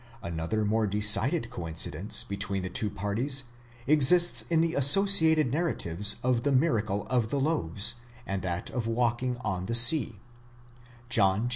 Another more decided coincidence between the two parties exists in the associated narratives of the miracle of the loaves, and that of walking on the sea, John vi.